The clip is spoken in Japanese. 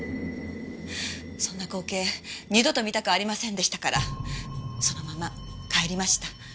そんな光景二度と見たくありませんでしたからそのまま帰りました。